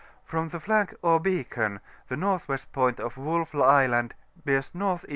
From the flag or beacon, the N.W. point of Wolf Island bears N.E.